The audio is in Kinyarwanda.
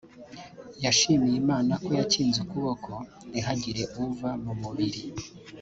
yashimiye Imana ko yakinze ukuboko ntihagire uva mu mubiri